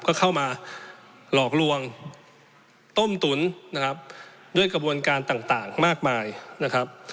ก็เข้ามาหลอกลวงต้มตุ๋นนะครับด้วยกระบวนการต่างต่างมากมายนะครับ